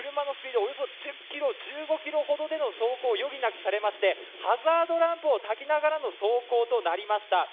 およそ１０ｋｍ、１５ｋｍほどでの走行を余儀なくされまして、ハザードランプをたきながらの走行となりました。